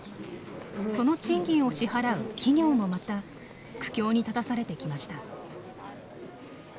その賃金を支払う企業もまた苦境に立たされてきました。